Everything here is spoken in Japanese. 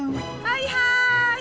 はいはい！